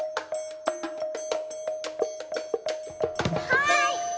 はい！